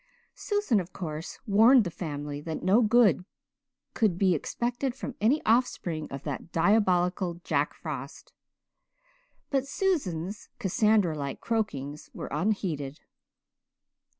Susan, of course, warned the family that no good could be expected from any offspring of that diabolical Jack Frost; but Susan's Cassandra like croakings were unheeded.